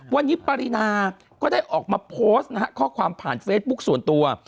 วันนี้ปรินาก็ได้ออกมาโพสต์นะฮะข้อความผ่านเฟซบุ๊คส่วนตัว